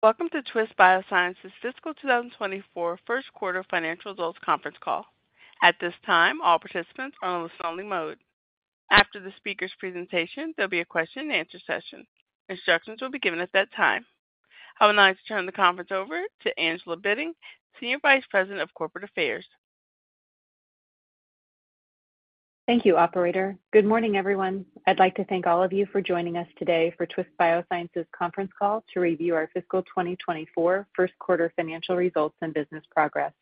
Welcome to Twist Bioscience's fiscal 2024 Q1 financial results conference call. At this time, all participants are on listen-only mode. After the speaker's presentation, there'll be a question and answer session. Instructions will be given at that time. I would now like to turn the conference over to Angela Bitting, Senior Vice President of Corporate Affairs. Thank you, operator. Good morning, everyone. I'd like to thank all of you for joining us today for Twist Bioscience's conference call to review our fiscal 2024 Q1 financial results and business progress.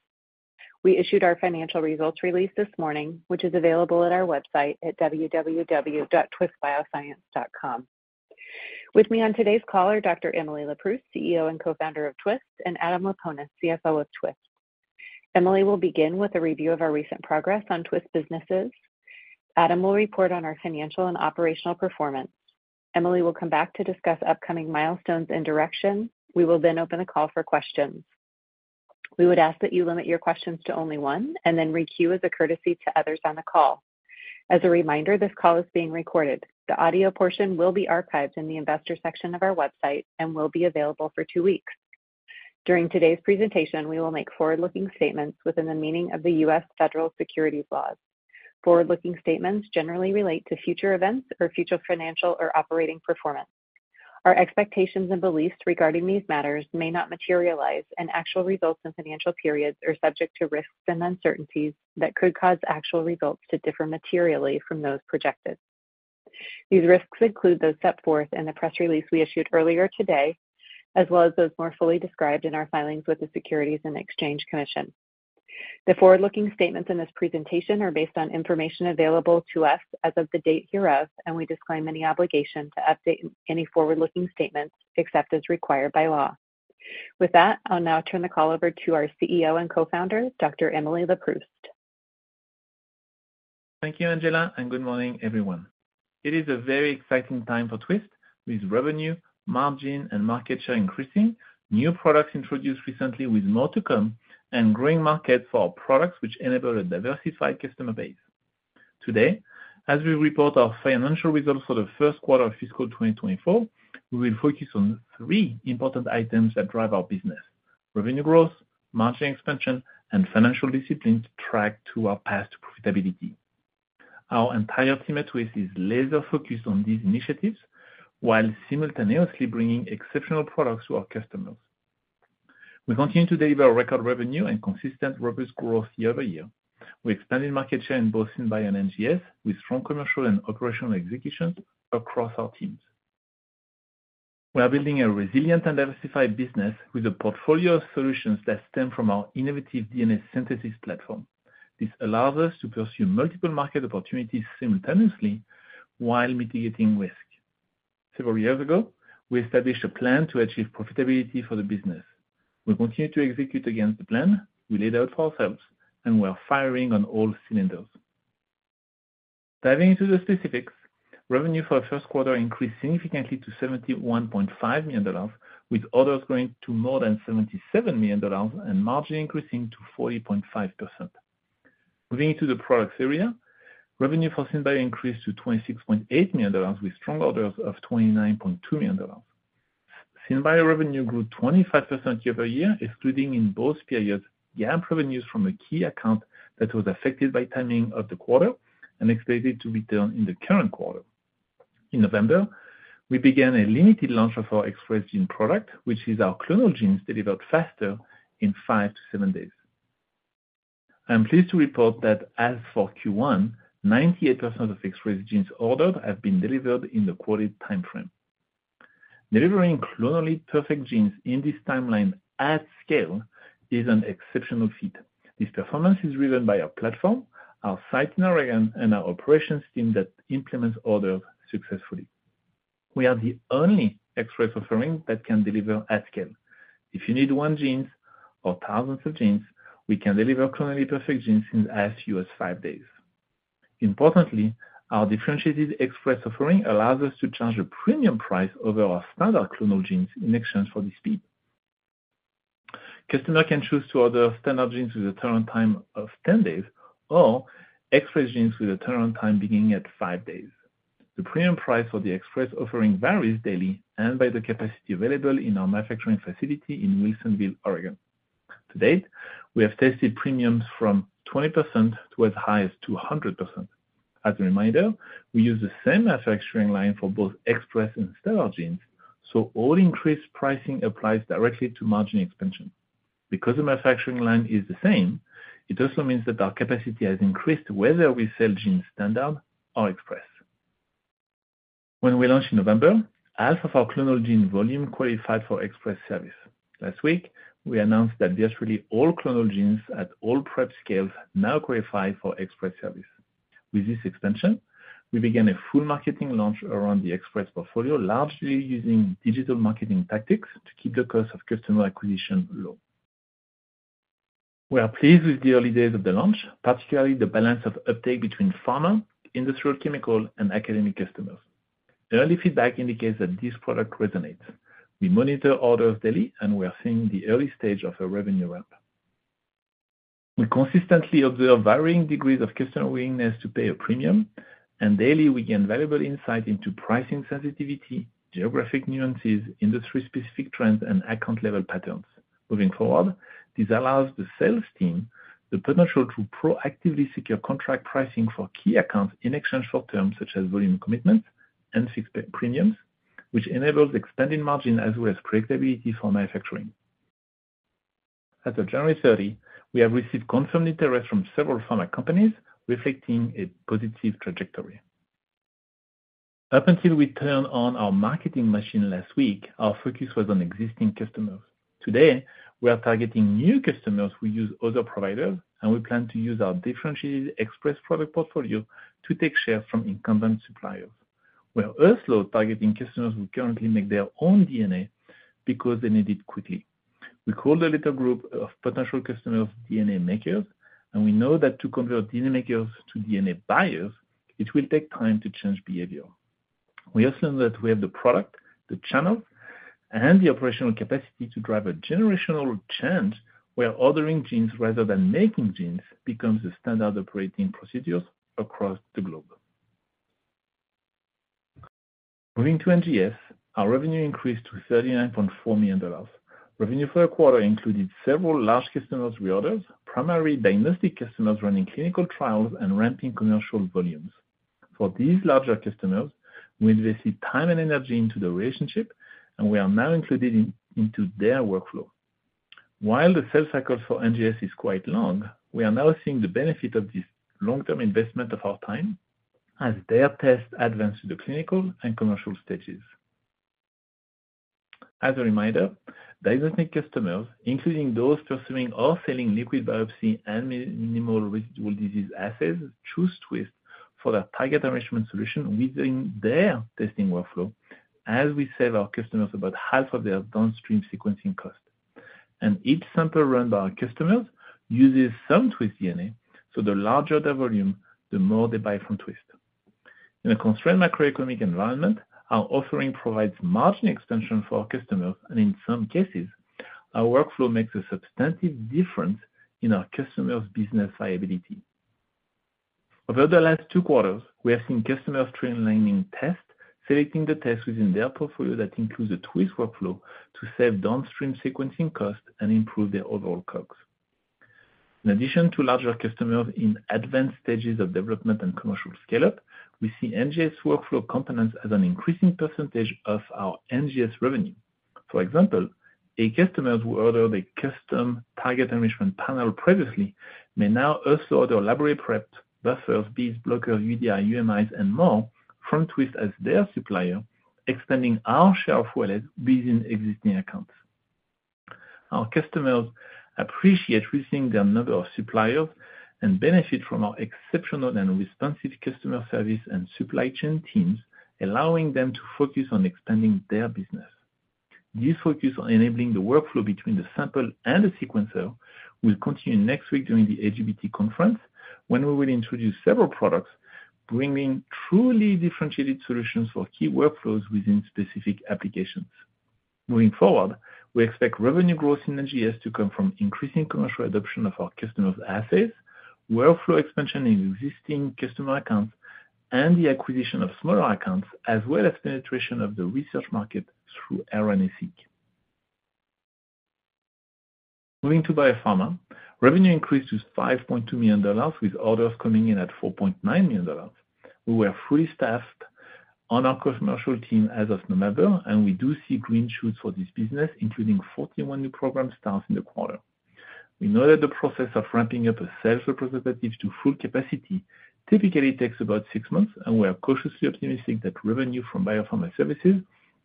We issued our financial results release this morning, which is available at our website at www.twistbioscience.com. With me on today's call are Dr. Emily Leproust, CEO and Co-founder of Twist, and Adam Laponis, CFO of Twist. Emily will begin with a review of our recent progress on Twist businesses. Adam will report on our financial and operational performance. Emily will come back to discuss upcoming milestones and direction. We will then open the call for questions. We would ask that you limit your questions to only one and then requeue as a courtesy to others on the call. As a reminder, this call is being recorded. The audio portion will be archived in the investor section of our website and will be available for two weeks. During today's presentation, we will make forward-looking statements within the meaning of the U.S. federal securities laws. Forward-looking statements generally relate to future events or future financial or operating performance. Our expectations and beliefs regarding these matters may not materialize, and actual results and financial periods are subject to risks and uncertainties that could cause actual results to differ materially from those projected. These risks include those set forth in the press release we issued earlier today, as well as those more fully described in our filings with the Securities and Exchange Commission. The forward-looking statements in this presentation are based on information available to us as of the date hereof, and we disclaim any obligation to update any forward-looking statements except as required by law. With that, I'll now turn the call over to our CEO and Co-Founder, Dr. Emily Leproust. Thank you, Angela, and good morning, everyone. It is a very exciting time for Twist, with revenue, margin, and market share increasing, new products introduced recently with more to come, and growing markets for our products, which enable a diversified customer base. Today, as we report our financial results for the Q1 of fiscal 2024, we will focus on three important items that drive our business: revenue growth, margin expansion, and financial discipline to track to our path to profitability. Our entire team at Twist is laser-focused on these initiatives while simultaneously bringing exceptional products to our customers. We continue to deliver record revenue and consistent robust growth year-over-year, with expanded market share in both SynBio and NGS, with strong commercial and operational execution across our teams. We are building a resilient and diversified business with a portfolio of solutions that stem from our innovative DNA synthesis platform. This allows us to pursue multiple market opportunities simultaneously while mitigating risk. Several years ago, we established a plan to achieve profitability for the business. We continue to execute against the plan we laid out for ourselves, and we are firing on all cylinders. Diving into the specifics, revenue for the Q1 increased significantly to $71.5 million, with orders growing to more than $77 million and margin increasing to 40.5%. Moving to the products area, revenue for SynBio increased to $26.8 million, with strong orders of $29.2 million. SynBio revenue grew 25% year-over-year, excluding, in both periods, GAAP revenues from a key account that was affected by timing of the quarter and expected to return in the current quarter. In November, we began a limited launch of our Express Genes product, which is our clonal genes delivered faster in five to seven days. I am pleased to report that as for Q1, 98% of Express Genes ordered have been delivered in the quoted timeframe. Delivering clonally perfect genes in this timeline at scale is an exceptional feat. This performance is driven by our platform, our site in Oregon, and our operations team that implements orders successfully. We are the only Express offering that can deliver at scale. If you need one gene or thousands of genes, we can deliver clonally perfect genes in as few as five days. Importantly, our differentiated Express offering allows us to charge a premium price over our standard clonal genes in exchange for the speed. Customer can choose to order standard genes with a turnaround time of 10 days or Express Genes with a turnaround time beginning at five days. The premium price for the Express offering varies daily and by the capacity available in our manufacturing facility in Wilsonville, Oregon. To date, we have tested premiums from 20% to as high as 200%. As a reminder, we use the same manufacturing line for both Express and standard genes, so all increased pricing applies directly to margin expansion. Because the manufacturing line is the same, it also means that our capacity has increased whether we sell genes standard or Express. When we launched in November, half of our clonal gene volume qualified for Express service. Last week, we announced that virtually all clonal genes at all prep scales now qualify for Express service. With this expansion, we began a full marketing launch around the Express portfolio, largely using digital marketing tactics to keep the cost of customer acquisition low. We are pleased with the early days of the launch, particularly the balance of uptake between pharma, industrial chemical, and academic customers. Early feedback indicates that this product resonates. We monitor orders daily, and we are seeing the early stage of a revenue ramp. We consistently observe varying degrees of customer willingness to pay a premium, and daily we gain valuable insight into pricing sensitivity, geographic nuances, industry-specific trends, and account-level patterns. Moving forward, this allows the sales team the potential to proactively secure contract pricing for key accounts in exchange for terms such as volume commitments and fixed pay premiums, which enables extended margin as well as predictability for manufacturing. As of January 30, we have received confirmed interest from several pharma companies, reflecting a positive trajectory. Up until we turned on our marketing machine last week, our focus was on existing customers. Today, we are targeting new customers who use other providers, and we plan to use our differentiated express product portfolio to take shares from incumbent suppliers. We are also targeting customers who currently make their own DNA because they need it quickly. We call the little group of potential customers DNA makers, and we know that to convert DNA makers to DNA buyers, it will take time to change behavior. We assume that we have the product, the channel, and the operational capacity to drive a generational change, where ordering genes rather than making genes becomes the standard operating procedures across the globe. Moving to NGS, our revenue increased to $39.4 million. Revenue for a quarter included several large customers reorders, primary diagnostic customers running clinical trials, and ramping commercial volumes. For these larger customers, we invest time and energy into the relationship, and we are now included in their workflow. While the sales cycle for NGS is quite long, we are now seeing the benefit of this long-term investment of our time as their tests advance to the clinical and commercial stages. As a reminder, diagnostic customers, including those pursuing or selling liquid biopsy and Minimal Residual Disease assays, choose Twist for their target enrichment solution within their testing workflow, as we save our customers about half of their downstream sequencing cost. Each sample run by our customers uses some Twist DNA, so the larger the volume, the more they buy from Twist. In a constrained macroeconomic environment, our offering provides margin expansion for our customers, and in some cases, our workflow makes a substantive difference in our customers' business viability. Over the last two quarters, we have seen customers streamlining tests, selecting the tests within their portfolio that includes a Twist workflow to save downstream sequencing costs and improve their overall costs. In addition to larger customers in advanced stages of development and commercial scale-up, we see NGS workflow components as an increasing percentage of our NGS revenue. For example, a customer who ordered a custom Target Enrichment panel previously may now also order a Library Prep, buffers, beads, blockers, dUTP, UMIs, and more from Twist as their supplier, expanding our share of wallet within existing accounts. Our customers appreciate reducing their number of suppliers and benefit from our exceptional and responsive customer service and supply chain teams, allowing them to focus on expanding their business. This focus on enabling the workflow between the sample and the sequencer will continue next week during the AGBT conference, when we will introduce several products, bringing truly differentiated solutions for key workflows within specific applications. Moving forward, we expect revenue growth in NGS to come from increasing commercial adoption of our customers' assays, workflow expansion in existing customer accounts, and the acquisition of smaller accounts, as well as penetration of the research market through RNA-Seq. Moving to Biopharma, revenue increased to $5.2 million, with orders coming in at $4.9 million. We were fully staffed on our commercial team as of November, and we do see green shoots for this business, including 41 new program starts in the quarter. We know that the process of ramping up a sales representative to full capacity typically takes about six months, and we are cautiously optimistic that revenue from biopharma services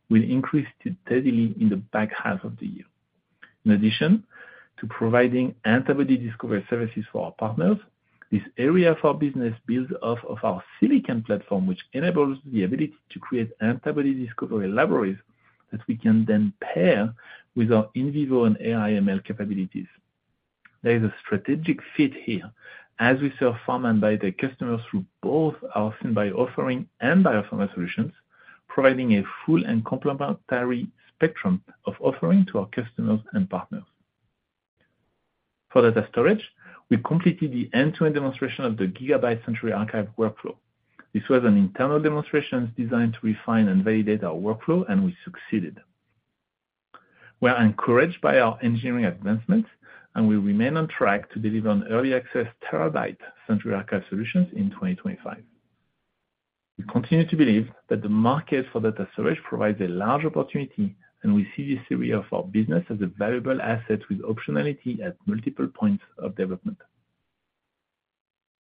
will increase steadily in the back half of the year. In addition to providing antibody discovery services for our partners, this area of our business builds off of our silicon platform, which enables the ability to create antibody discovery libraries that we can then pair with our in vivo and AI/ML capabilities. There is a strategic fit here as we sell pharma and biotech customers through both our SynBio offering and Biopharma Solutions, providing a full and complementary spectrum of offering to our customers and partners. For data storage, we completed the end-to-end demonstration of the gigabyte Century Archive workflow. This was an internal demonstration designed to refine and validate our workflow, and we succeeded. We are encouraged by our engineering advancements, and we remain on track to deliver on early access terabyte Century Archive solutions in 2025. We continue to believe that the market for data storage provides a large opportunity, and we see this area of our business as a valuable asset with optionality at multiple points of development.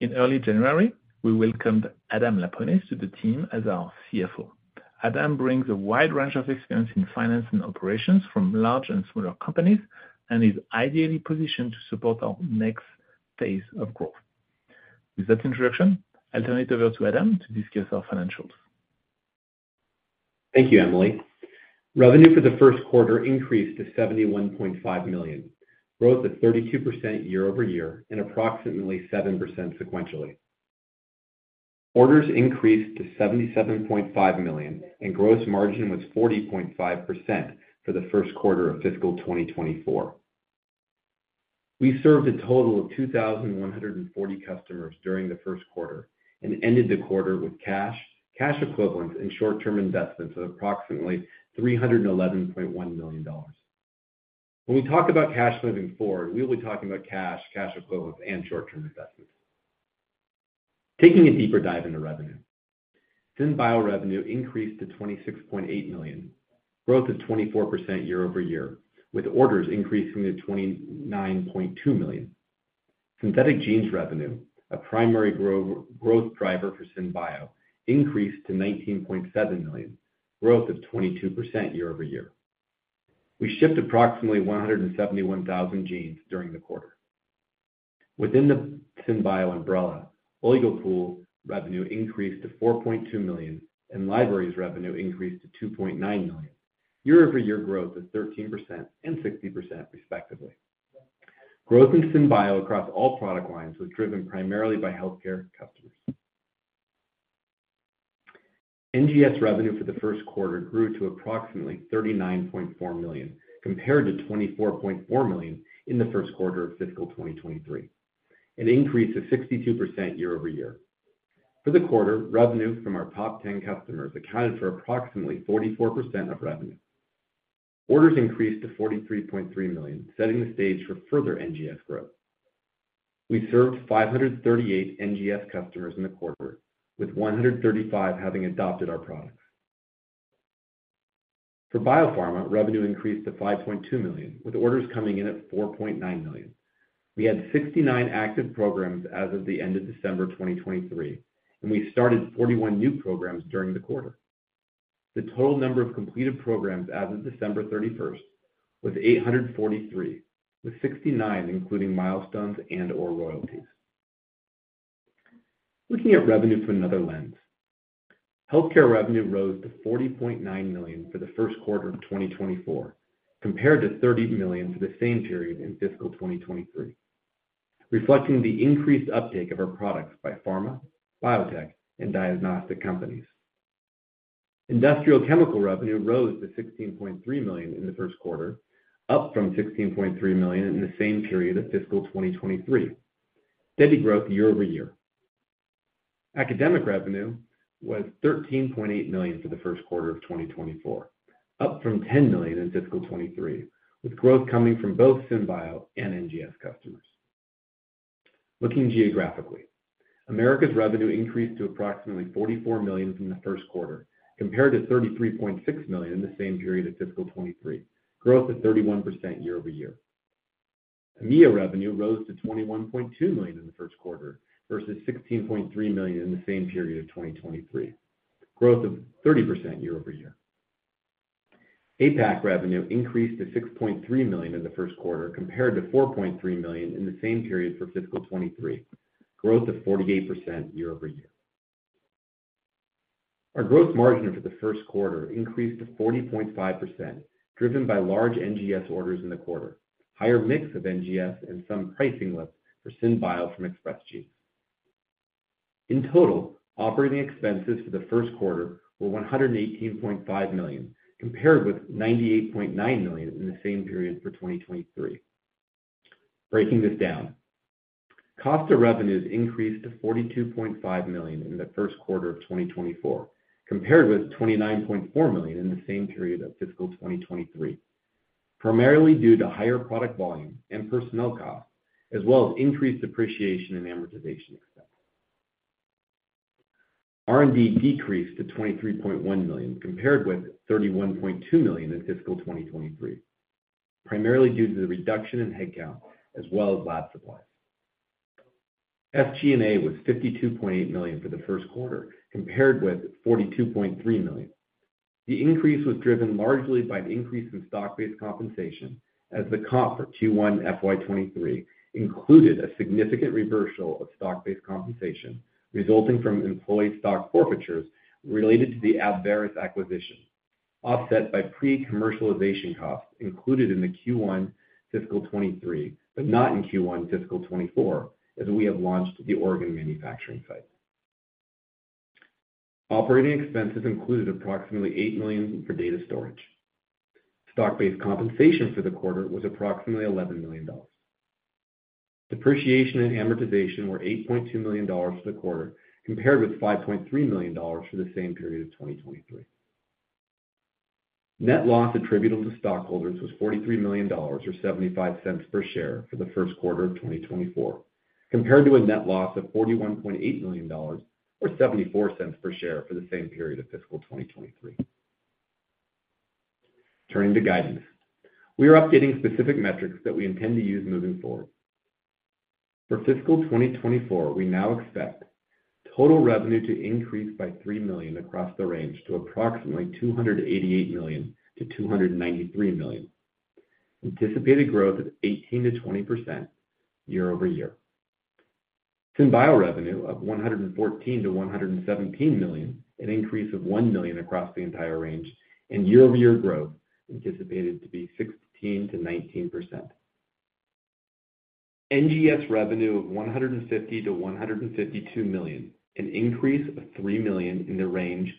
In early January, we welcomed Adam Laponis to the team as our CFO. Adam brings a wide range of experience in finance and operations from large and smaller companies and is ideally positioned to support our next phase of growth. With that introduction, I'll turn it over to Adam to discuss our financials. Thank you, Emily. Revenue for the Q1 increased to $71.5 million, growth of 32% year-over-year and approximately 7% sequentially. Orders increased to $77.5 million, and gross margin was 40.5% for the Q1 of fiscal 2024. We served a total of 2,140 customers during the Q1 and ended the quarter with cash, cash equivalents, and short-term investments of approximately $311.1 million. When we talk about cash moving forward, we'll be talking about cash, cash equivalents, and short-term investments. Taking a deeper dive into revenue. SynBio revenue increased to $26.8 million, growth of 24% year-over-year, with orders increasing to $29.2 million. Synthetic genes revenue, a primary growth driver for SynBio, increased to $19.7 million, growth of 22% year-over-year. We shipped approximately 171,000 genes during the quarter. Within the SynBio umbrella, Oligo Pool revenue increased to $4.2 million, and libraries revenue increased to $2.9 million, year-over-year growth of 13% and 60% respectively. Growth in SynBio across all product lines was driven primarily by healthcare customers. NGS revenue for the Q1 grew to approximately $39.4 million, compared to $24.4 million in the Q1 of fiscal 2023, an increase of 62% year-over-year. For the quarter, revenue from our top 10 customers accounted for approximately 44% of revenue. Orders increased to $43.3 million, setting the stage for further NGS growth. We served 538 NGS customers in the quarter, with 135 having adopted our products. For biopharma, revenue increased to $5.2 million, with orders coming in at $4.9 million. We had 69 active programs as of the end of December 2023, and we started 41 new programs during the quarter. The total number of completed programs as of December 31 was 843, with 69 including milestones and/or royalties. Looking at revenue through another lens. Healthcare revenue rose to $40.9 million for the Q1 of 2024, compared to $30 million for the same period in fiscal 2023, reflecting the increased uptake of our products by pharma, biotech, and diagnostic companies. Industrial chemical revenue rose to $16.3 million in the Q1, up from $16.3 million in the same period of fiscal 2023. Steady growth year-over-year. Academic revenue was $13.8 million for the Q1 of 2024, up from $10 million in fiscal 2023, with growth coming from both SynBio and NGS customers. Looking geographically. Americas revenue increased to approximately $44 million in the Q1, compared to $33.6 million in the same period of fiscal 2023. Growth of 31% year-over-year. EMEA revenue rose to $21.2 million in the Q1 versus $16.3 million in the same period of 2023. Growth of 30% year-over-year. APAC revenue increased to $6.3 million in the Q1, compared to $4.3 million in the same period for fiscal 2023. Growth of 48% year-over-year. Our gross margin for the Q1 increased to 40.5%, driven by large NGS orders in the quarter, higher mix of NGS, and some pricing lifts for SynBio from Express Genes. In total, operating expenses for the Q1 were $118.5 million, compared with $98.9 million in the same period for 2023. Breaking this down. Cost of revenues increased to $42.5 million in the Q1 of 2024, compared with $29.4 million in the same period of fiscal 2023, primarily due to higher product volume and personnel costs, as well as increased depreciation and amortization expenses. R&D decreased to $23.1 million, compared with $31.2 million in fiscal 2023, primarily due to the reduction in headcount as well as lab supplies. SG&A was $52.8 million for the Q1, compared with $42.3 million. The increase was driven largely by the increase in stock-based compensation, as the comp for Q1 FY 2023 included a significant reversal of stock-based compensation, resulting from employee stock forfeitures related to the Abveris acquisition, offset by pre-commercialization costs included in the Q1 fiscal 2023, but not in Q1 fiscal 2024, as we have launched the Oregon manufacturing site. Operating expenses included approximately $8 million for data storage. Stock-based compensation for the quarter was approximately $11 million. Depreciation and amortization were $8.2 million for the quarter, compared with $5.3 million for the same period of 2023. Net loss attributable to stockholders was $43 million, or $0.75 per share for the Q1 of 2024, compared to a net loss of $41.8 million, or $0.74 per share for the same period of fiscal 2023. Turning to guidance. We are updating specific metrics that we intend to use moving forward. For fiscal 2024, we now expect total revenue to increase by $3 million across the range to approximately $288 million-$293 million. Anticipated growth of 18%-20% year-over-year. SynBio revenue of $114 million-$117 million, an increase of $1 million across the entire range, and year-over-year growth anticipated to be 16%-19%. NGS revenue of $150 million-$152 million, an increase of $3 million in the range,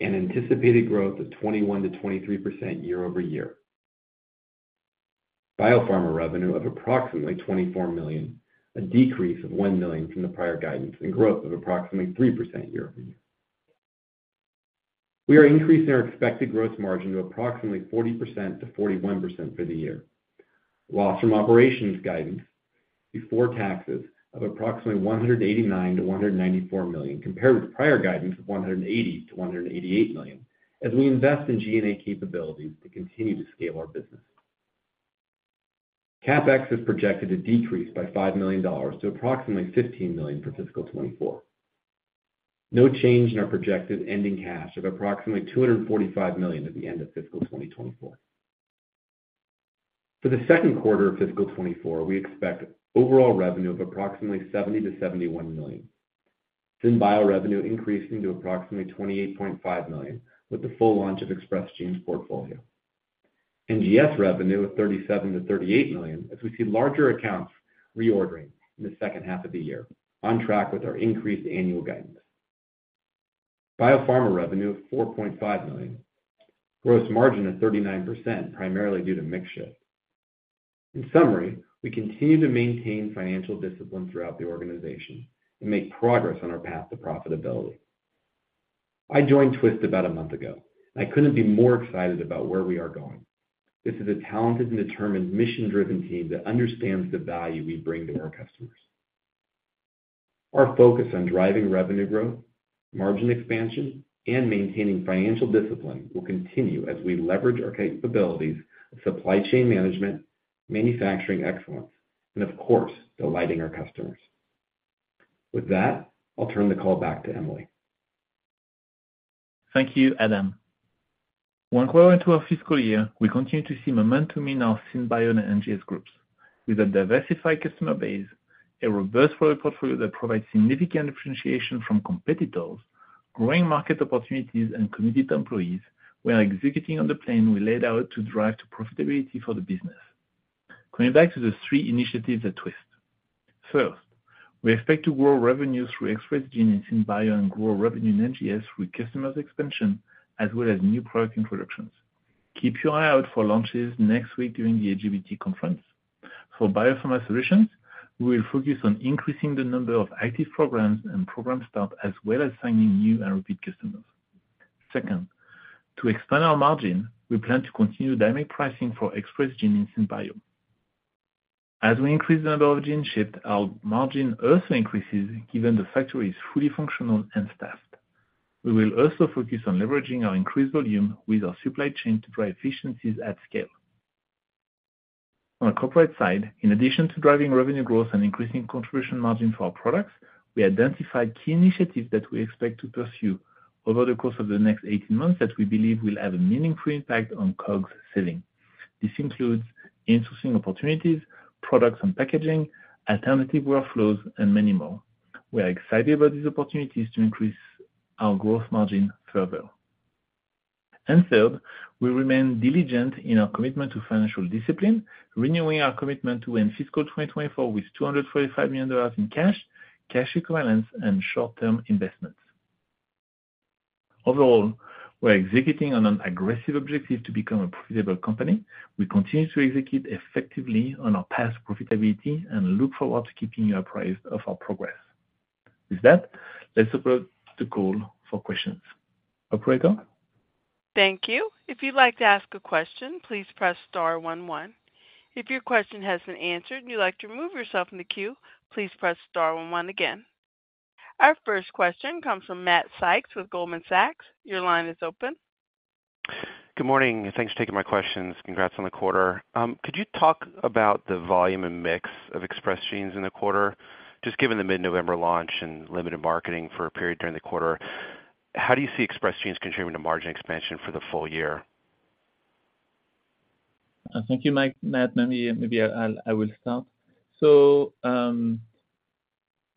and anticipated growth of 21%-23% year-over-year. Biopharma revenue of approximately $24 million, a decrease of $1 million from the prior guidance, and growth of approximately 3% year-over-year. We are increasing our expected gross margin to approximately 40%-41% for the year. Loss from operations guidance before taxes of approximately $189 million-$194 million, compared with prior guidance of $180 million-$188 million, as we invest in G&A capabilities to continue to scale our business. CapEx is projected to decrease by $5 million to approximately $15 million for fiscal 2024. No change in our projected ending cash of approximately $245 million at the end of fiscal 2024. For the Q2 of fiscal 2024, we expect overall revenue of approximately $70-$71 million. SynBio revenue increasing to approximately $28.5 million, with the full launch of Express Genes portfolio. NGS revenue of $37-$38 million, as we see larger accounts reordering in the second half of the year, on track with our increased annual guidance. Biopharma revenue of $4.5 million, gross margin of 39%, primarily due to mix shift. In summary, we continue to maintain financial discipline throughout the organization and make progress on our path to profitability. I joined Twist about a month ago, and I couldn't be more excited about where we are going. This is a talented and determined, mission-driven team that understands the value we bring to our customers. Our focus on driving revenue growth, margin expansion, and maintaining financial discipline will continue as we leverage our capabilities of supply chain management, manufacturing excellence, and of course, delighting our customers. With that, I'll turn the call back to Emily. Thank you, Adam. One quarter into our fiscal year, we continue to see momentum in our SynBio and NGS groups. With a diversified customer base, a robust product portfolio that provides significant differentiation from competitors, growing market opportunities, and committed employees, we are executing on the plan we laid out to drive to profitability for the business. Coming back to the three initiatives at Twist. First, we expect to grow revenue through Express Genes in SynBio and grow revenue in NGS with customers expansion as well as new product introductions. Keep your eye out for launches next week during the AGBT conference. For biopharma solutions, we will focus on increasing the number of active programs and program staff, as well as signing new and repeat customers. Second, to expand our margin, we plan to continue dynamic pricing for Express Genes in SynBio. As we increase the number of genes shipped, our margin also increases, given the factory is fully functional and staffed. We will also focus on leveraging our increased volume with our supply chain to drive efficiencies at scale. On a corporate side, in addition to driving revenue growth and increasing contribution margin for our products, we identified key initiatives that we expect to pursue over the course of the next 18 months that we believe will have a meaningful impact on COGS saving. This includes insourcing opportunities, products and packaging, alternative workflows, and many more. We are excited about these opportunities to increase our gross margin further. And third, we remain diligent in our commitment to financial discipline, renewing our commitment to end fiscal 2024 with $245 million in cash, cash equivalents, and short-term investments. Overall, we're executing on an aggressive objective to become a profitable company. We continue to execute effectively on our path to profitability and look forward to keeping you apprised of our progress. With that, let's approach the call for questions. Operator? Thank you. If you'd like to ask a question, please press star one, one. If your question has been answered and you'd like to remove yourself from the queue, please press star one, one again. Our first question comes from Matt Sykes with Goldman Sachs. Your line is open. Good morning. Thanks for taking my questions. Congrats on the quarter. Could you talk about the volume and mix of Express Genes in the quarter? Just given the mid-November launch and limited marketing for a period during the quarter, how do you see Express Genes contributing to margin expansion for the full year? Thank you, Mike, Matt. Maybe I'll start. So,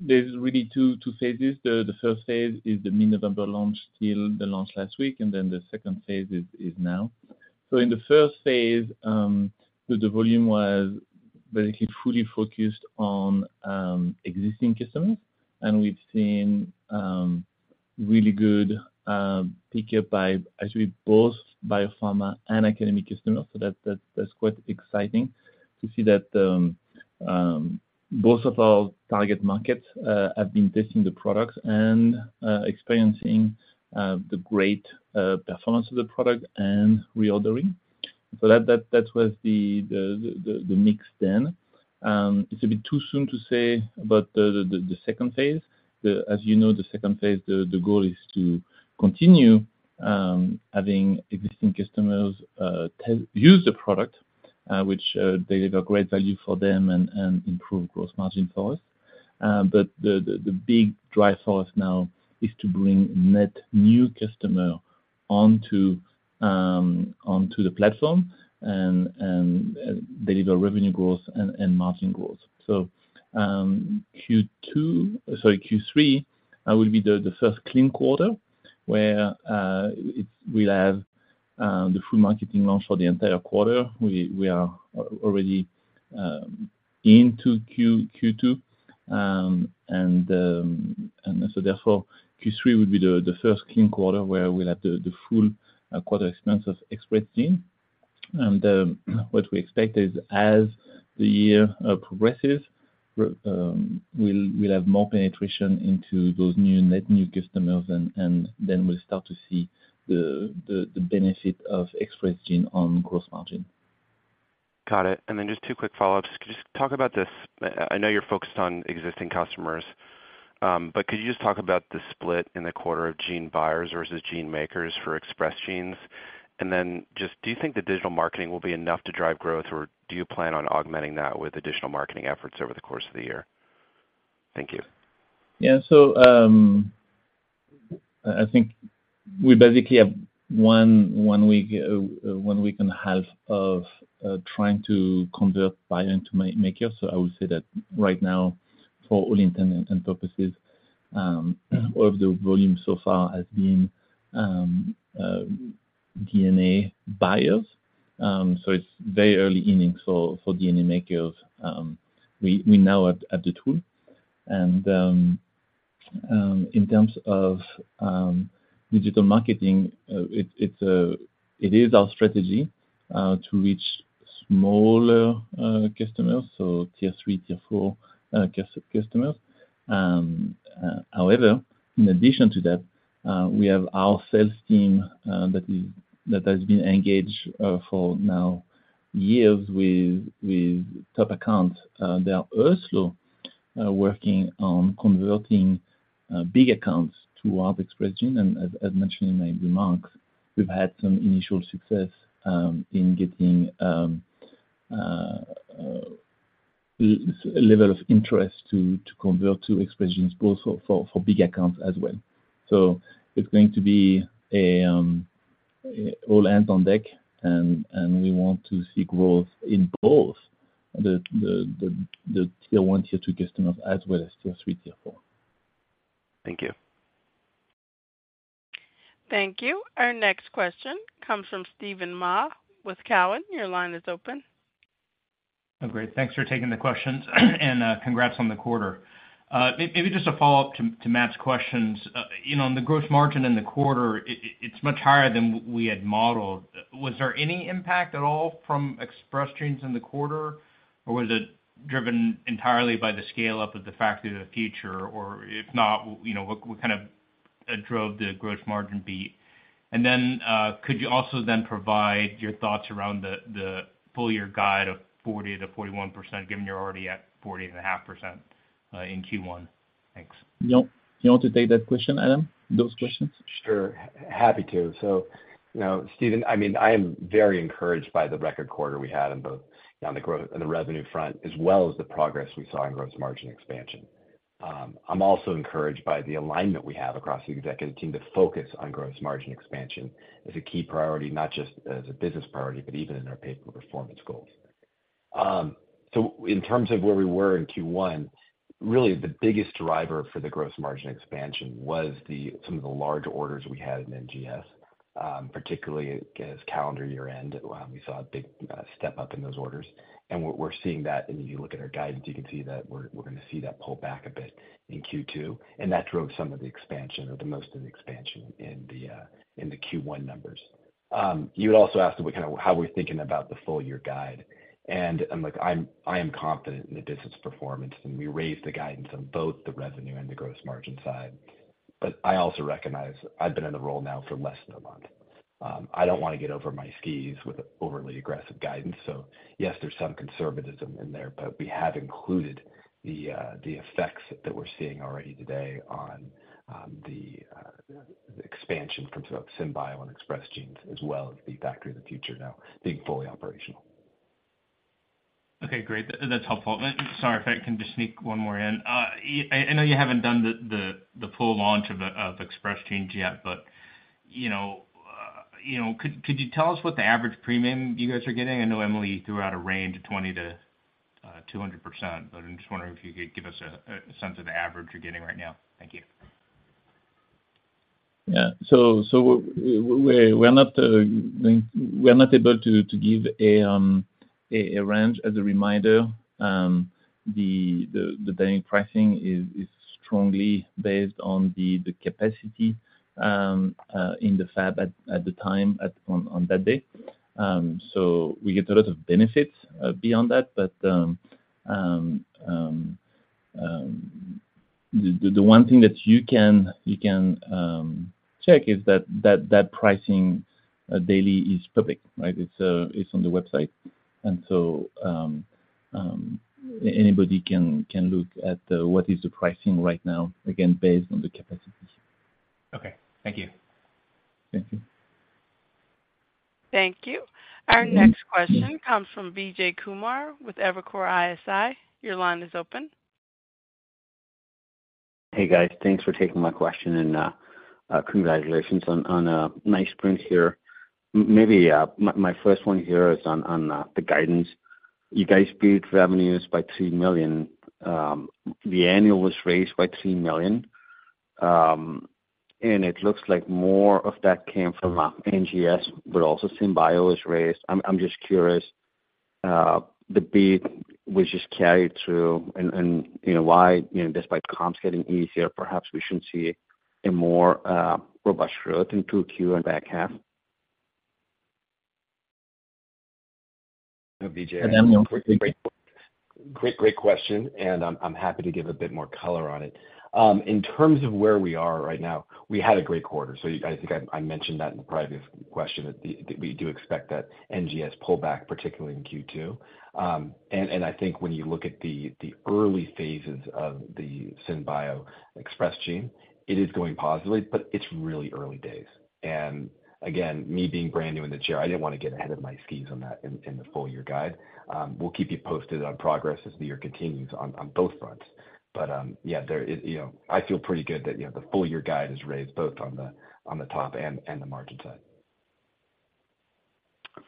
there's really two phases. The phase I is the mid-November launch till the launch last week, and then the phase II is now. So in the phase I, the volume was basically fully focused on existing customers, and we've seen really good pickup by actually both biopharma and academic customers. So that, that's quite exciting to see that both of our target markets have been testing the products and experiencing the great performance of the product and reordering. So that was the mix then. It's a bit too soon to say, but the phase II, the As you know, the phase II, the goal is to continue having existing customers test use the product, which deliver great value for them and improve growth margin for us. But the big drive for us now is to bring net new customer onto the platform and deliver revenue growth and margin growth. So, Q2, sorry, Q3, will be the first clean quarter, where it will have the full marketing launch for the entire quarter. We are already into Q2. And so therefore, Q3 would be the first clean quarter where we'll have the full quarter expense of Express Genes. And what we expect is, as the year progresses, we'll have more penetration into those net new customers, and then we'll start to see the benefit of Express Genes on gross margin. Got it. And then just two quick follow-ups. Could you just talk about this, I know you're focused on existing customers, but could you just talk about the split in the quarter of gene buyers versus gene makers for Express Genes? And then just do you think the digital marketing will be enough to drive growth, or do you plan on augmenting that with additional marketing efforts over the course of the year? Thank you. Yeah. So, I think we basically have one week and a half of trying to convert buyer into maker. So I would say that right now, for all intents and purposes, all of the volume so far has been DNA buyers. So it's very early innings for DNA makers. We now added tool. And in terms of digital marketing, it is our strategy to reach smaller customers, so tier three, tier four customers. However, in addition to that, we have our sales team that has been engaged for years now with top accounts. They are also working on converting big accounts toward Express Genes. And as mentioned in my remarks, we've had some initial success in getting a level of interest to convert to Express Genes, both for big accounts as well. So it's going to be all hands on deck, and we want to see growth in both the tier one, tier two customers, as well as tier three, tier four. Thank you. Thank you. Our next question comes from Steven Mah with Cowen. Your line is open. Oh, great. Thanks for taking the questions, and, congrats on the quarter. Maybe just a follow-up to Matt's questions. You know, on the gross margin in the quarter, it's much higher than we had modeled. Was there any impact at all from Express Genes in the quarter, or was it driven entirely by the scale up of the Factory of the Future? Or if not, you know, what kind of drove the gross margin beat? And then, could you also then provide your thoughts around the full year guide of 40%-41%, given you're already at 40.5% in Q1? Thanks. Yep. You want to take that question, Adam, those questions? Sure. Happy to. So, you know, Steven, I mean, I am very encouraged by the record quarter we had on both, on the growth and the revenue front, as well as the progress we saw in gross margin expansion. I'm also encouraged by the alignment we have across the executive team to focus on gross margin expansion as a key priority, not just as a business priority, but even in our personal performance goals. So in terms of where we were in Q1, really the biggest driver for the gross margin expansion was some of the large orders we had in NGS, particularly as calendar year-end, we saw a big step up in those orders. We're seeing that, and if you look at our guidance, you can see that we're gonna see that pull back a bit in Q2, and that drove some of the expansion or the most of the expansion in the Q1 numbers. You had also asked how we're thinking about the full year guide, and look, I am confident in the business performance, and we raised the guidance on both the revenue and the gross margin side. But I also recognize I've been in the role now for less than a month. I don't wanna get over my skis with overly aggressive guidance, so yes, there's some conservatism in there, but we have included the effects that we're seeing already today on the expansion from both SynBio and Express Genes, as well as the Factory of the Future now being fully operational. Okay, great. That's helpful. Sorry, if I can just sneak one more in. I know you haven't done the full launch of Express Genes yet, but you know, you know, could you tell us what the average premium you guys are getting? I know Emily threw out a range of 20%-200%, but I'm just wondering if you could give us a sense of the average you're getting right now. Thank you. Yeah. So we're not able to give a range. As a reminder, the daily pricing is strongly based on the capacity in the fab at the time, on that day. So we get a lot of benefits beyond that, but the one thing that you can check is that that pricing daily is public, right? It's on the website. And so anybody can look at what is the pricing right now, again, based on the capacities. Okay. Thank you. Thank you. Thank you. Our next question comes from Vijay Kumar with Evercore ISI. Your line is open. Hey, guys. Thanks for taking my question, and congratulations on a nice sprint here. Maybe my first one here is on the guidance. You guys beat revenues by $3 million. The annual was raised by $3 million and it looks like more of that came from, NGS, but also SynBio is raised. I'm just curious, the beat was just carried through, and you know why, you know, despite comps getting easier, perhaps we shouldn't see a more robust growth in Q2 and back half? Vijay, great, great question, and I'm happy to give a bit more color on it. In terms of where we are right now, we had a great quarter, so I think I mentioned that in the previous question, that we do expect that NGS pull back, particularly in Q2. And I think when you look at the early phases of the SynBio Express Genes, it is going positively, but it's really early days. And again, me being brand new in the chair, I didn't want to get ahead of my skis on that in the full year guide. We'll keep you posted on progress as the year continues on both fronts. But, yeah, there is, you know, I feel pretty good that, you know, the full year guide is raised both on the top and the margin side.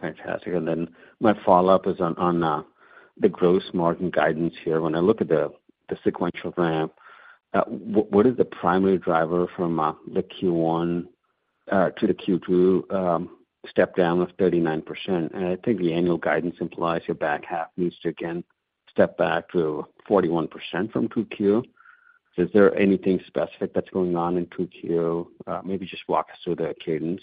Fantastic. And then my follow-up is on the gross margin guidance here. When I look at the sequential ramp, what is the primary driver from the Q1 to the Q2 step down of 39%? And I think the annual guidance implies your back half needs to again step back to 41% from Q2. So is there anything specific that's going on in Q2? Maybe just walk us through the cadence.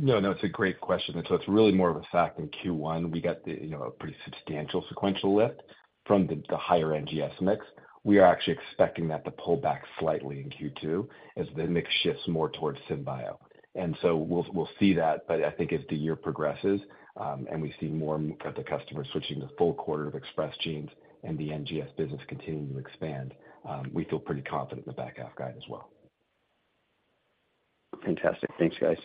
No, no, it's a great question. And so it's really more of a fact that in Q1, we got the, you know, a pretty substantial sequential lift from the, the higher NGS mix. We are actually expecting that to pull back slightly in Q2 as the mix shifts more towards SynBio. And so we'll, we'll see that, but I think as the year progresses, and we see more of the customers switching to full quarter of Express Genes and the NGS business continuing to expand, we feel pretty confident in the back half guide as well. Fantastic. Thanks, guys.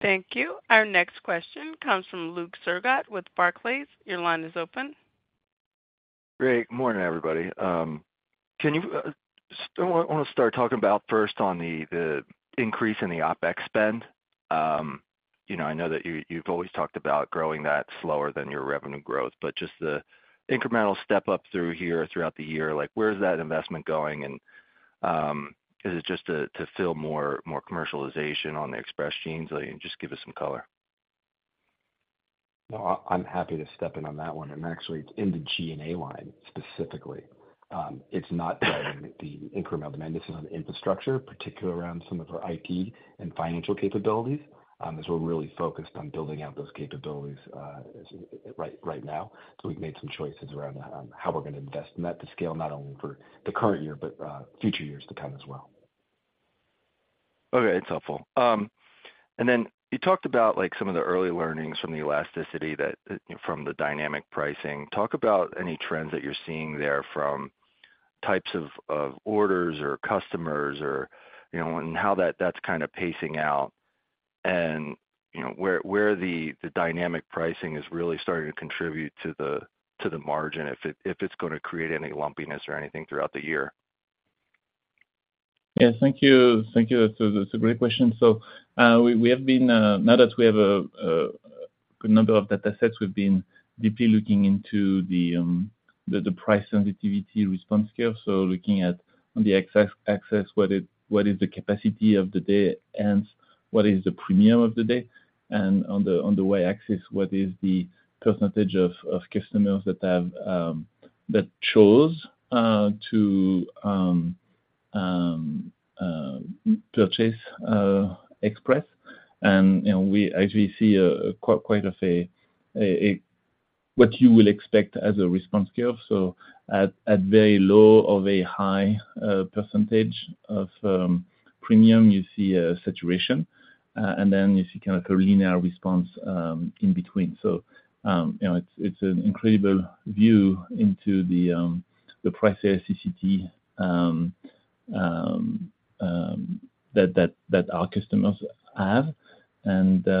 Thank you. Our next question comes from Luke Sergott with Barclays. Your line is open. Good morning, everybody. So I want to start talking first about the increase in the OpEx spend. You know, I know that you've always talked about growing that slower than your revenue growth, but just the incremental step up through here throughout the year, like, where is that investment going? And, is it just to fuel more commercialization on the Express Genes? Can you just give us some color? No, I, I'm happy to step in on that one. And actually, it's in the G&A line, specifically. It's not driving the incremental, and this is on infrastructure, particularly around some of our IT and financial capabilities, as we're really focused on building out those capabilities, as right now. So we've made some choices around how we're going to invest in that to scale, not only for the current year, but future years to come as well. Okay, it's helpful. And then you talked about, like, some of the early learnings from the elasticity that, from the dynamic pricing. Talk about any trends that you're seeing there from types of orders or customers or, you know, and how that's kind of pacing out. And, you know, where the dynamic pricing is really starting to contribute to the margin, if it's going to create any lumpiness or anything throughout the year. Yes, thank you. Thank you. That's a great question. So, we have been, now that we have a good number of data sets, we've been deeply looking into the price sensitivity response scale. So looking at on the x-axis, what is the capacity of the day, and what is the premium of the day? And on the y-axis, what is the percentage of customers that chose to purchase Express? And, you know, we actually see quite of a, what you will expect as a response curve. So at very low or very high percentage of premium, you see a saturation, and then you see kind of a linear response in between. So, you know, it's an incredible view into the price sensitivity that our customers have. And we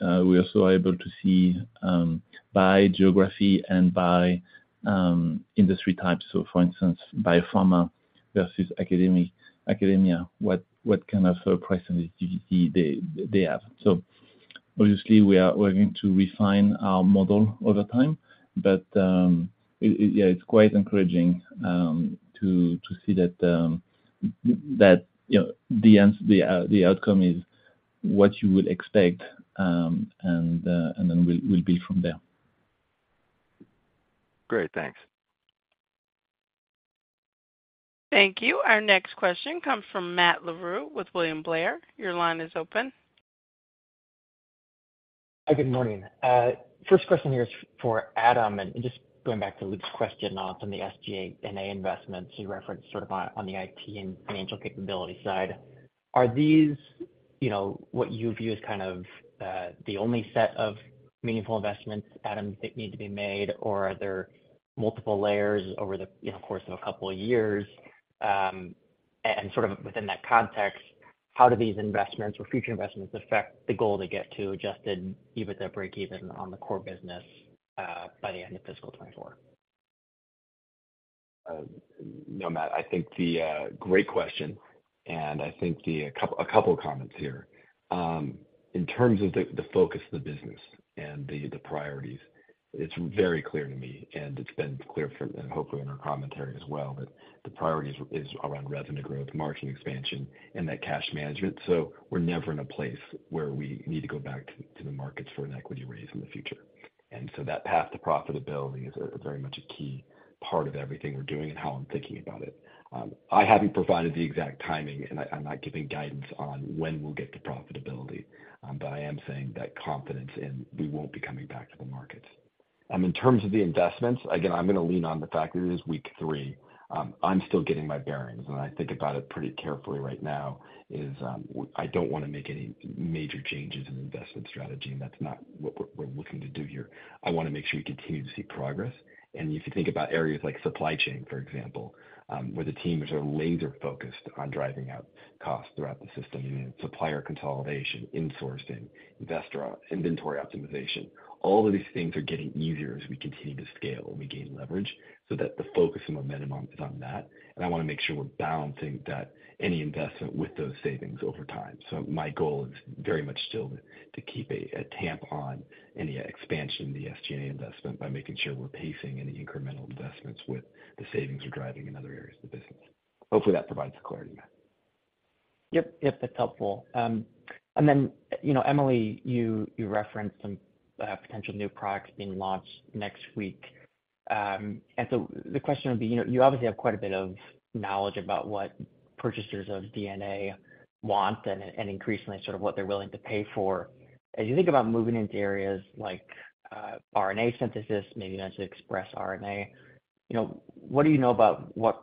are also able to see by geography and by industry type. So for instance, by pharma versus academia, what kind of price sensitivity they have. So obviously, we are working to refine our model over time, but yeah, it's quite encouraging to see that, you know, the outcome is what you would expect, and then we'll build from there. Great. Thanks. Thank you. Our next question comes from Matt Larew with William Blair. Your line is open. Hi, good morning. First question here is for Adam, and just going back to Luke's question on the SG&A investments, you referenced sort of on, on the IT and financial capability side. Are these, you know, what you view as kind of, the only set of meaningful investments, Adam, that need to be made, or are there multiple layers over the, you know, course of a couple of years? And sort of within that context, how do these investments or future investments affect the goal to get to adjusted EBITDA break even on the core business, by the end of fiscal 2024? No, Matt, I think the, great question. And I think the—a couple of comments here. In terms of the focus of the business and the priorities, it's very clear to me, and it's been clear for, and hopefully in our commentary as well, that the priority is around revenue growth, margin expansion, and that cash management. So we're never in a place where we need to go back to the markets for an equity raise in the future. And so that path to profitability is very much a key part of everything we're doing and how I'm thinking about it. I haven't provided the exact timing, and I'm not giving guidance on when we'll get to profitability, but I am saying that confidence in we won't be coming back to the markets. In terms of the investments, again, I'm gonna lean on the fact that it is week three. I'm still getting my bearings, and I think about it pretty carefully right now. I don't wanna make any major changes in investment strategy, and that's not what we're looking to do here. I wanna make sure we continue to see progress. And if you think about areas like supply chain, for example, where the team is sort of laser-focused on driving out costs throughout the system, you know, supplier consolidation, insourcing, inventory optimization, all of these things are getting easier as we continue to scale and we gain leverage, so that the focus and momentum is on that. And I wanna make sure we're balancing that, any investment with those savings over time. So my goal is very much still to keep a cap on any expansion in the SG&A investment by making sure we're pacing any incremental investments with the savings we're driving in other areas of the business. Hopefully, that provides some clarity, Matt. Yep, yep, that's helpful. And then, you know, Emily, you referenced some potential new products being launched next week. And so the question would be, you know, you obviously have quite a bit of knowledge about what purchasers of DNA want and increasingly, sort of what they're willing to pay for. As you think about moving into areas like RNA synthesis, maybe even to express RNA, you know, what do you know about what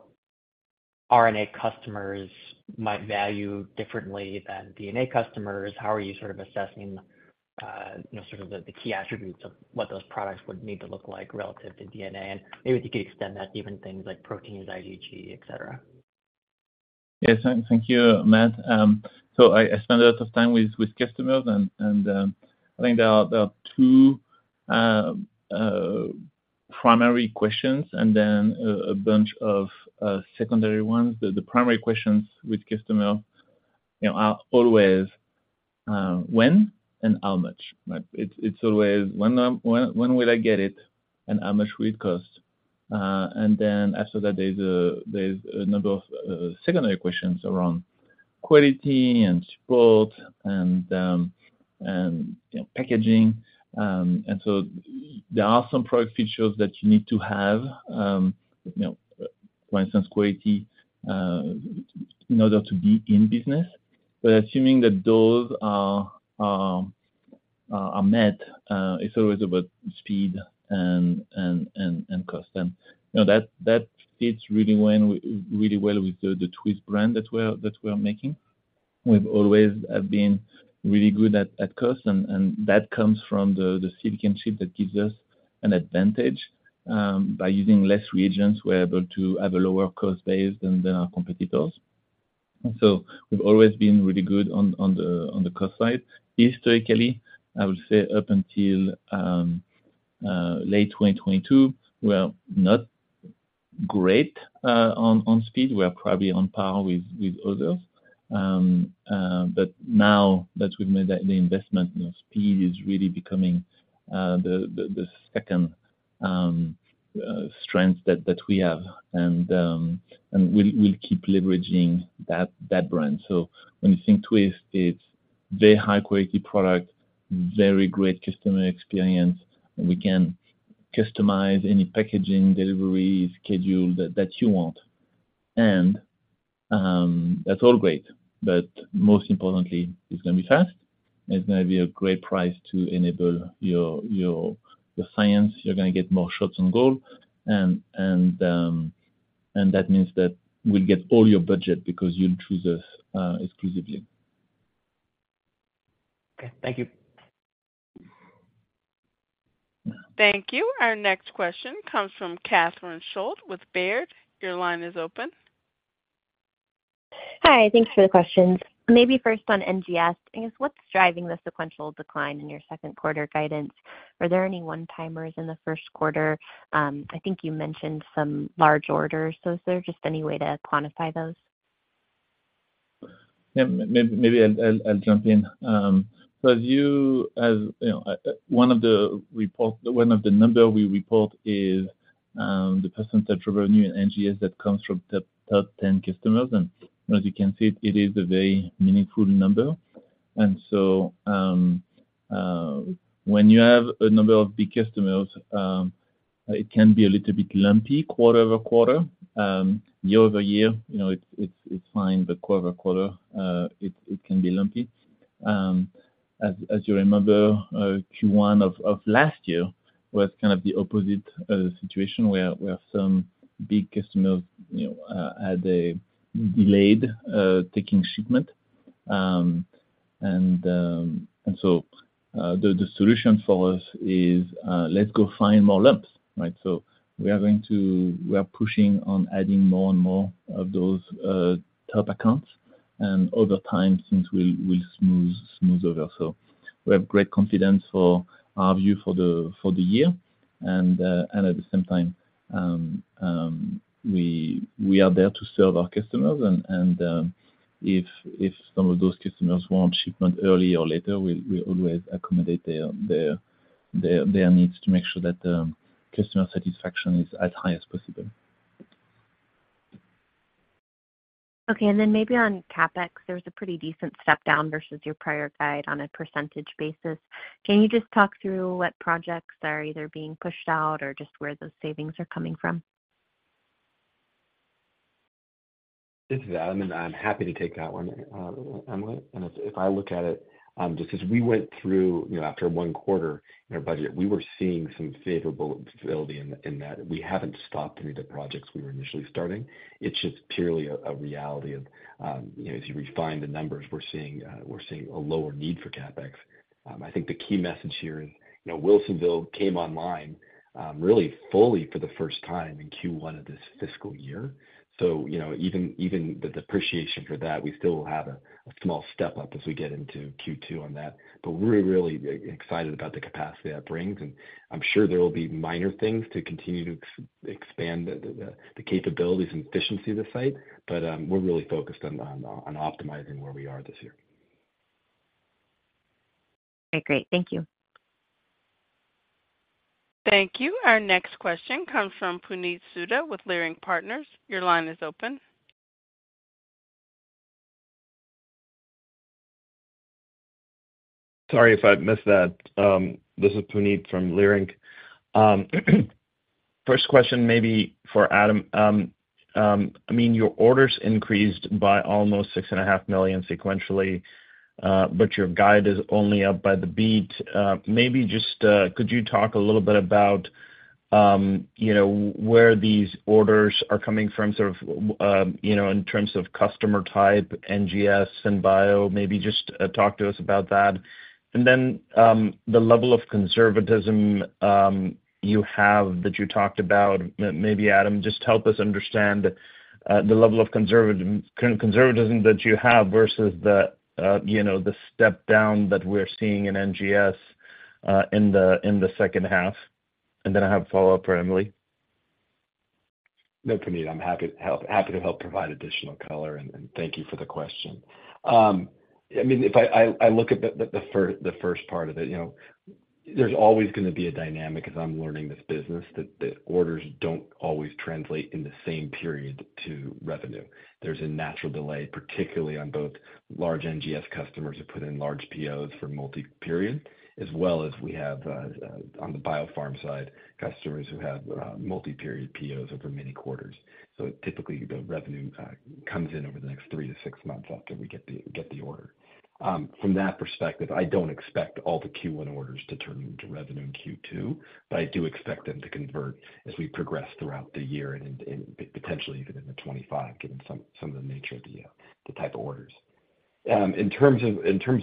RNA customers might value differently than DNA customers? How are you sort of assessing, you know, sort of the key attributes of what those products would need to look like relative to DNA? And maybe if you could extend that to even things like proteins, IgG, et cetera. Yes, thank you, Matt. So I spend a lot of time with customers, and I think there are two primary questions and then a bunch of secondary ones. The primary questions with customer, you know, are always when and how much, right? It's always when will I get it, and how much will it cost? And then after that, there's a number of secondary questions around quality and support and, you know, packaging. And so there are some product features that you need to have, you know, for instance, quality, in order to be in business. But assuming that those are met, it's always about speed and cost. You know, that fits really well with the Twist brand that we're making. We've always been really good at cost, and that comes from the silicon chip that gives us an advantage. By using less reagents, we're able to have a lower cost base than our competitors. And so we've always been really good on the cost side. Historically, I would say up until late 2022, we are not great on speed. We are probably on par with others. But now that we've made that the investment, you know, speed is really becoming the second strength that we have. And we'll keep leveraging that brand. So when you think Twist, it's very high-quality product, very great customer experience, and we can customize any packaging, delivery, schedule that you want. And, that's all great, but most importantly, it's gonna be fast. It's gonna be a great price to enable your science. You're gonna get more shots on goal. And that means that we'll get all your budget because you'll choose us exclusively. Okay, thank you. Thank you. Our next question comes from Catherine Schulte with Baird. Your line is open. Hi, thanks for the questions. Maybe first on NGS, I guess, what's driving the sequential decline in your Q2 guidance? Are there any one-timers in the Q1? I think you mentioned some large orders, so is there just any way to quantify those? Yeah, maybe I'll jump in. So as you know, one of the numbers we report is the percentage of revenue in NGS that comes from the top 10 customers, and as you can see, it is a very meaningful number. And so, when you have a number of big customers, it can be a little bit lumpy quarter-over-quarter. Year-over-year, you know, it's fine, but quarter-over-quarter, it can be lumpy. As you remember, Q1 of last year was kind of the opposite situation, where some big customers had a delayed taking shipment. And so, the solution for us is, let's go find more lumps, right? So we are going to—we are pushing on adding more and more of those top accounts, and over time, things will smooth over. So we have great confidence for our view for the year. And at the same time, we are there to serve our customers, and if some of those customers want shipment early or later, we always accommodate their needs to make sure that customer satisfaction is as high as possible. Okay, and then maybe on CapEx, there's a pretty decent step down versus your prior guide on a percentage basis. Can you just talk through what projects are either being pushed out or just where those savings are coming from? This is Adam, and I'm happy to take that one, Emily. If I look at it, just as we went through, you know, after one quarter in our budget, we were seeing some favorable stability in that. We haven't stopped any of the projects we were initially starting. It's just purely a reality of, you know, as you refine the numbers, we're seeing a lower need for CapEx. I think the key message here is, you know, Wilsonville came online really fully for the first time in Q1 of this fiscal year. So, you know, even the depreciation for that, we still have a small step up as we get into Q2 on that. But we're really excited about the capacity that brings, and I'm sure there will be minor things to continue to expand the capabilities and efficiency of the site, but we're really focused on optimizing where we are this year. Okay, great. Thank you. Thank you. Our next question comes from Puneet Souda with Leerink Partners. Your line is open. Sorry if I missed that. This is Puneet from Leerink. First question, maybe for Adam. I mean, your orders increased by almost $6.5 million sequentially, but your guide is only up by the beat. Maybe just could you talk a little bit about you know, where these orders are coming from, sort of, you know, in terms of customer type, NGS and bio, maybe just talk to us about that. And then, the level of conservatism you have that you talked about, maybe Adam, just help us understand the level of conservatism that you have versus the you know, the step down that we're seeing in NGS in the second half. And then I have a follow-up for Emily. No, Puneet, I'm happy to help, happy to help provide additional color, and thank you for the question. I mean, if I look at the first part of it, you know, there's always gonna be a dynamic as I'm learning this business, that the orders don't always translate in the same period to revenue. There's a natural delay, particularly on both large NGS customers who put in large POs for multi-period, as well as we have on the biopharm side, customers who have multi-period POs over many quarters. So typically, the revenue comes in over the next three to six months after we get the order. From that perspective, I don't expect all the Q1 orders to turn into revenue in Q2, but I do expect them to convert as we progress throughout the year and potentially even in the 25, given some of the nature of the type of orders. In terms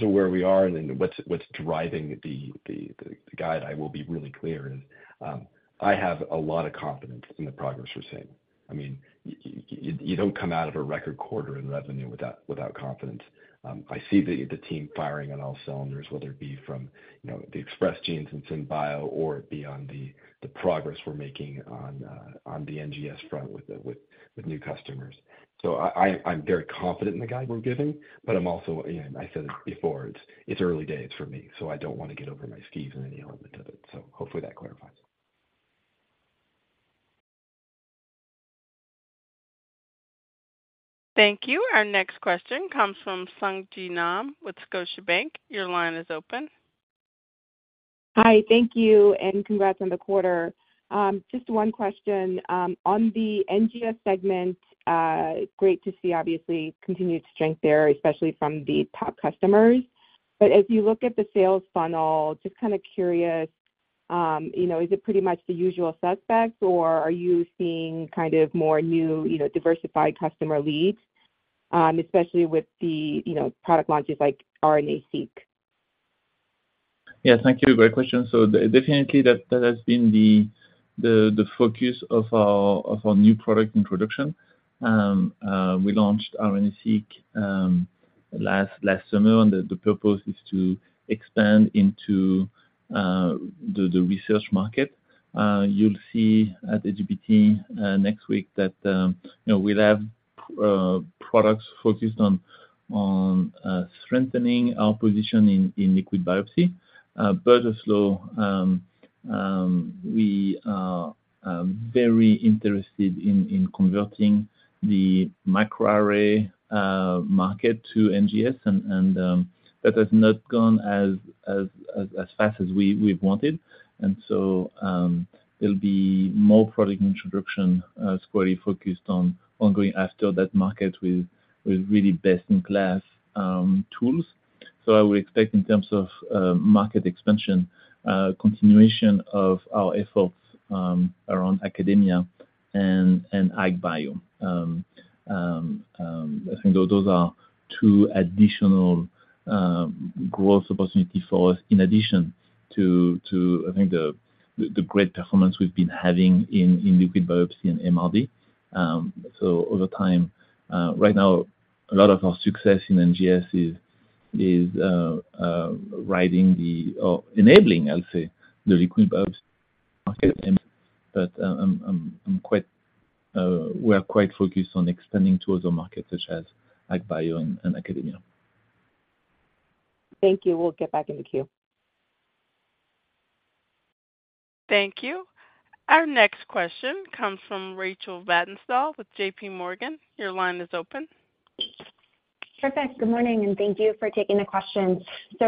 of where we are and then what's driving the guide, I will be really clear, and I have a lot of confidence in the progress we're seeing. I mean, you don't come out of a record quarter in revenue without confidence. I see the team firing on all cylinders, whether it be from, you know, the Express Genes in SynBio or beyond the progress we're making on the NGS front with new customers. I'm very confident in the guide we're giving, but I'm also, you know, I said it before, it's early days for me, so I don't wanna get over my skis in any element of it. Hopefully that clarifies. Thank you. Our next question comes from Sung Ji Nam with Scotiabank. Your line is open. Hi, thank you, and congrats on the quarter. Just one question, on the NGS segment, great to see obviously continued strength there, especially from the top customers. But as you look at the sales funnel, just kind of curious, you know, is it pretty much the usual suspects, or are you seeing kind of more new, you know, diversified customer leads, especially with the, you know, product launches like RNA-Seq? Yeah, thank you. Great question. So definitely, that has been the focus of our new product introduction. We launched RNA-Seq last summer, and the purpose is to expand into the research market. You'll see at AGBT next week that, you know, we'll have products focused on strengthening our position in liquid biopsy. But as well, we are very interested in converting the microarray market to NGS and that has not gone as fast as we've wanted. And so, there'll be more product introduction squarely focused on going after that market with really best-in-class tools. So I would expect in terms of market expansion, continuation of our efforts around academia and ag bio. I think those are two additional growth opportunity for us, in addition to, I think the great performance we've been having in liquid biopsy and MRD. So over time, right now, a lot of our success in NGS is riding the, or enabling, I'll say, the liquid biopsy market. But I'm quite, we are quite focused on expanding to other markets such as ag bio and academia. Thank you. We'll get back in the queue. Thank you. Our next question comes from Rachel Vatnsdal with JPMorgan. Your line is open. Perfect. Good morning, and thank you for taking the questions.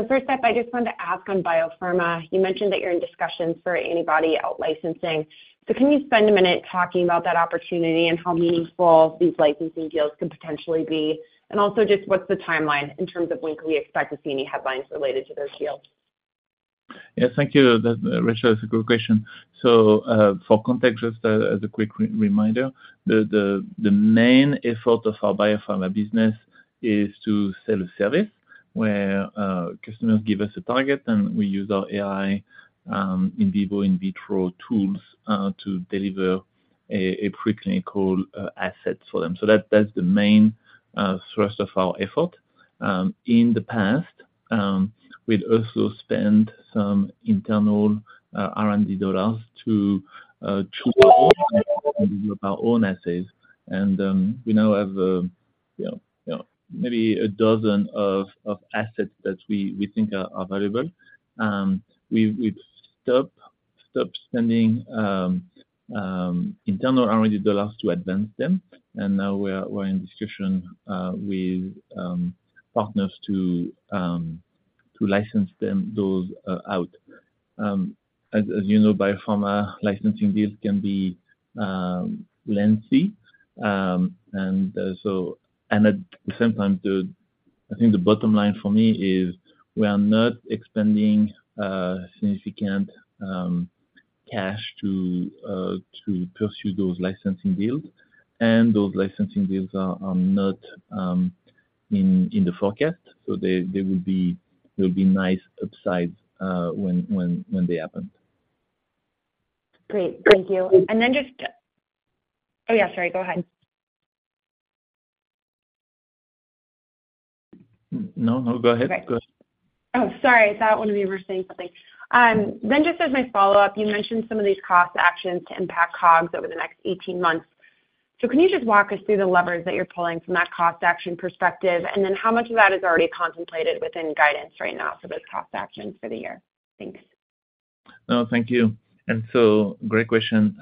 First up, I just wanted to ask on Biopharma. You mentioned that you're in discussions for anybody out licensing. Can you spend a minute talking about that opportunity and how meaningful these licensing deals could potentially be? Also just what's the timeline in terms of when can we expect to see any headlines related to those deals? Yes, thank you, that, Rachel, that's a good question. So, for context, just, as a quick reminder, the main effort of our Biopharma business is to sell a service where customers give us a target, and we use our AI, in vivo, in vitro tools to deliver a preclinical asset for them. So that's the main thrust of our effort. In the past, we'd also spent some internal R&D dollars to choose our own assets. And we now have, you know, maybe a dozen assets that we think are available. We've stopped spending internal R&D dollars to advance them, and now we're in discussion with partners to license those out. As you know, Biopharma licensing deals can be lengthy. And at the same time, the, I think the bottom line for me is we are not expanding significant cash to pursue those licensing deals, and those licensing deals are not in the forecast, so they will be nice upsides when they happen. Great, thank you. Oh, yeah, sorry, go ahead. No, no, go ahead. Great. Go ahead. Oh, sorry, I thought one of you were saying something. Then just as my follow-up, you mentioned some of these cost actions to impact COGS over the next 18 months. So can you just walk us through the levers that you're pulling from that cost action perspective, and then how much of that is already contemplated within guidance right now for those cost actions for the year? Thanks. No, thank you. And so, great question.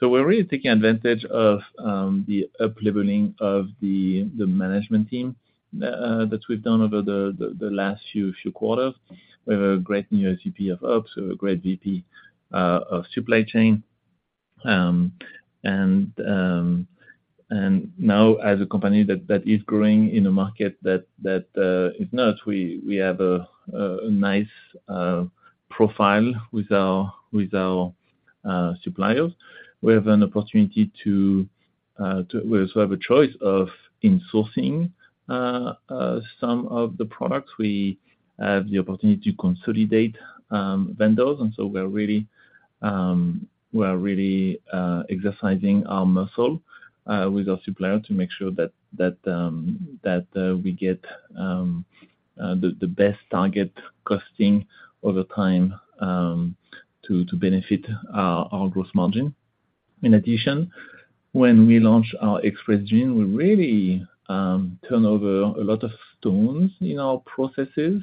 So we're really taking advantage of the upleveling of the management team that we've done over the last few quarters. We have a great new VP of ops, so a great VP of supply chain. And now as a company that is growing in a market that is not, we have a nice profile with our suppliers. We have an opportunity to, we also have a choice of insourcing some of the products. We have the opportunity to consolidate vendors, and so we're really exercising our muscle with our supplier to make sure that we get the best target costing over time to benefit our gross margin. In addition, when we launched our Express Genes, we really turn over a lot of stones in our processes,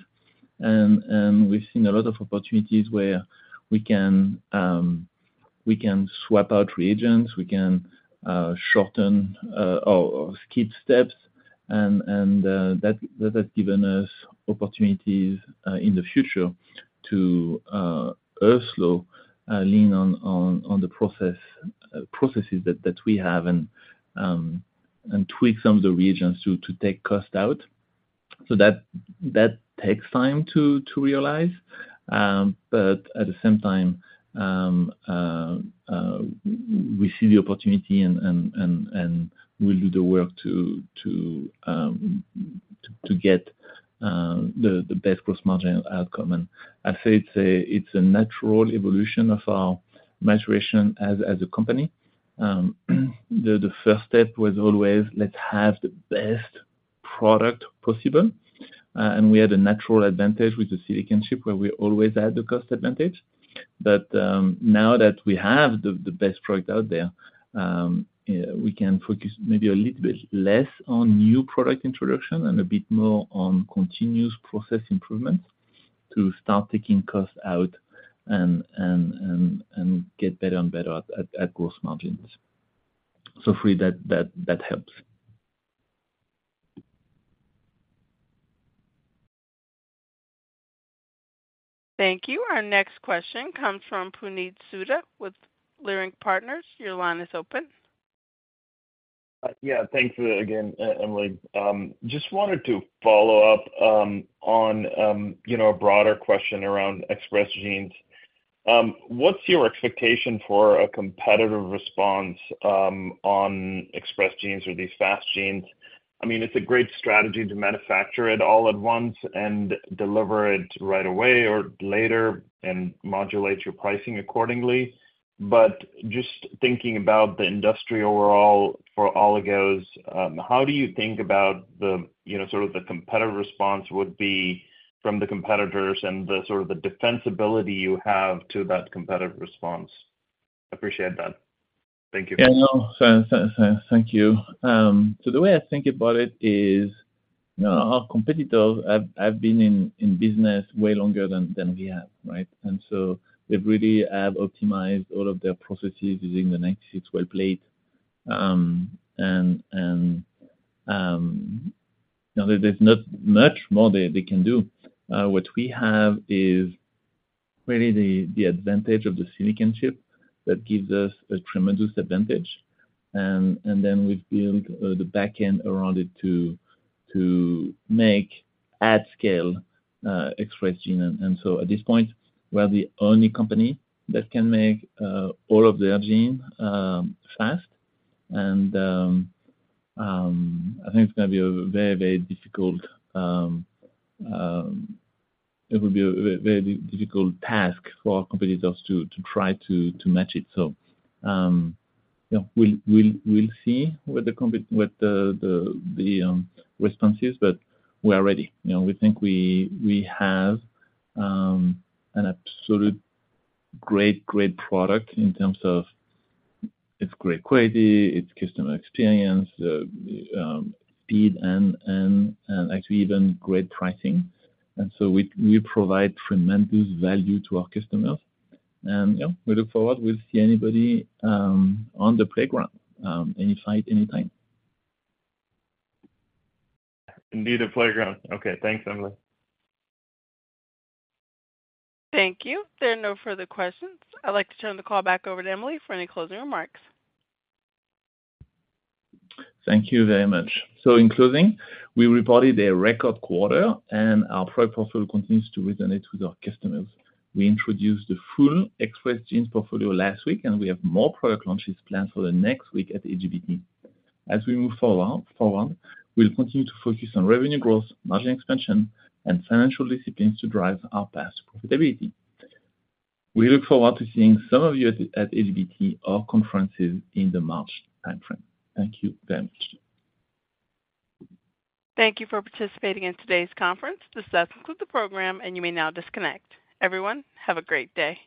and we've seen a lot of opportunities where we can swap out reagents, we can shorten or skip steps. That has given us opportunities in the future to also lean on the processes that we have and tweak some of the reagents to take cost out. That takes time to realize. But at the same time, we see the opportunity and we'll do the work to get the best gross margin outcome. And I'd say it's a natural evolution of our maturation as a company. The first step was always, let's have the best product possible, and we had a natural advantage with the silicon chip, where we always had the cost advantage. But now that we have the best product out there, we can focus maybe a little bit less on new product introduction and a bit more on continuous process improvement to start taking costs out and get better and better at gross margins. So for me that helps. Thank you. Our next question comes from Puneet Souda with Leerink Partners. Your line is open. Yeah, thank you again, Emily. Just wanted to follow up, you know, on a broader question around Express Genes. What's your expectation for a competitive response on Express Genes or these fast genes? I mean, it's a great strategy to manufacture it all at once and deliver it right away or later and modulate your pricing accordingly. But just thinking about the industry overall for oligos, how do you think about the, you know, sort of the competitive response would be from the competitors and the sort of the defensibility you have to that competitive response? Appreciate that. .Yeah, no, so thank you. So the way I think about it is, you know, our competitors have been in business way longer than we have, right? And so they really have optimized all of their processes using the 96-well plate. And now there's not much more they can do. What we have is really the advantage of the silicon chip that gives us a tremendous advantage. And then we've built the back end around it to make at scale Express Genes. And so at this point, we're the only company that can make all of their genes fast. And, I think it's gonna be a very, very difficult-- it will be a very difficult task for our competitors to try to match it. So, yeah, we'll see what the response is, but we are ready. You know, we think we have an absolute great, great product in terms of its great quality, its customer experience, speed, and actually even great pricing. And so we provide tremendous value to our customers. And, yeah, we look forward, we'll see anybody on the playground, any site, anytime. Indeed, a playground. Okay, thanks, Emily. Thank you. There are no further questions. I'd like to turn the call back over to Emily for any closing remarks. Thank you very much. In closing, we reported a record quarter, and our product portfolio continues to resonate with our customers. We introduced the full Express Genes portfolio last week, and we have more product launches planned for the next week at AGBT. As we move forward, we'll continue to focus on revenue growth, margin expansion, and financial disciplines to drive our path to profitability. We look forward to seeing some of you at AGBT, our conferences in the March timeframe. Thank you very much. Thank you for participating in today's conference. This does conclude the program, and you may now disconnect. Everyone, have a great day!